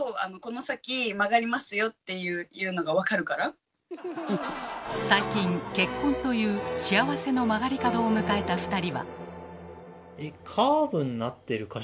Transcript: え私は最近結婚という幸せの曲がり角を迎えた２人は。